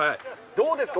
どうですか？